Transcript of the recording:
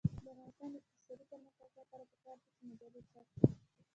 د افغانستان د اقتصادي پرمختګ لپاره پکار ده چې مجلې چاپ شي.